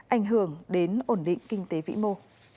ảnh hưởng đến ổn định kinh tế vĩ mô